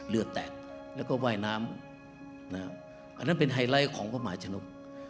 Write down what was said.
เลือดแตกแล้วก็ว่ายน้ำอันนั้นเป็นไฮไลท์ของพระมหาชนก